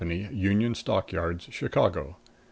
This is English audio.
Union Stock Yards, || Chicago.